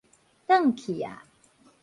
轉去矣